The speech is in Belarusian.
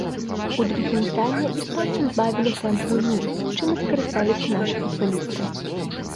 У другім тайме іспанцы збавілі тэмп гульні, чым і скарысталіся нашы футбалісты.